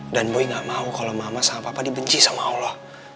dan gue gak mau kalau mama sama papa dibenci sama allah